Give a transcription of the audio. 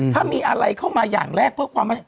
ถ้ามีอะไรเข้ามาอย่างแรกเพื่อความมั่น